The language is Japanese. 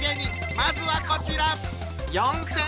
まずはこちら。